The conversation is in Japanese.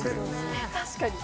確かに。